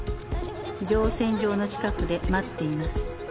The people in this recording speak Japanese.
「乗船場の近くで待っています。